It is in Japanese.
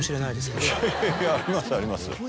いやありますあります。